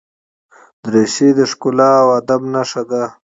دریشي د ښکلا او ادب نښه ده.